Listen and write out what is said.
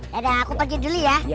kadang aku pergi dulu ya